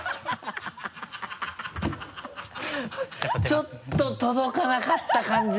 ちょっと届かなかった感じ？